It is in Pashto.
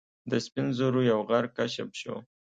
د سپین زرو یو غر کشف شو.